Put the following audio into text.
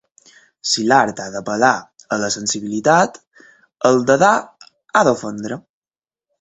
Si l'art ha d'apel·lar a la sensibilitat, el dadà ha d'ofendre.